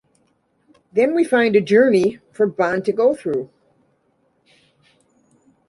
Then we find a journey for Bond to go through.